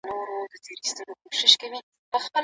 زمري ټوله هندواڼه وخوړه.